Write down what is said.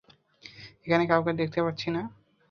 এখানে কাউকে দেখতে পাচ্ছি না।